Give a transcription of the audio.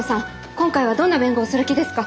今回はどんな弁護をする気ですか？